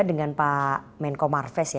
dengan pak menko marves